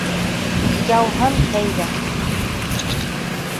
- Яуһын әйҙә.